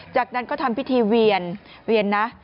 จากนั้นก็ทำพิธีเวียน